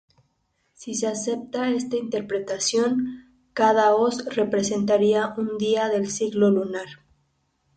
Si se acepta esta interpretación, cada hoz representaría un día del ciclo lunar.